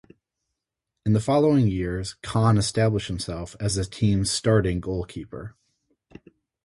In the following years, Kahn established himself as the team's starting goalkeeper.